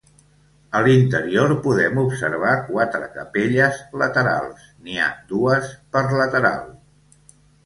A l'interior podem observar quatre capelles laterals, n'hi ha dues per lateral.